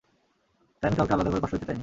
তাই আমি কাউকে আলাদা করে কষ্ট দিতে চাইনি।